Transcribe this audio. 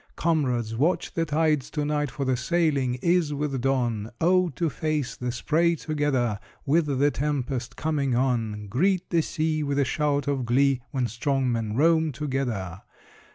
Comrades, watch the tides to night, For the sailing is with dawn! Oh, to face the spray together, With the tempest coming on! Greet the sea With a shout of glee, When strong men roam together!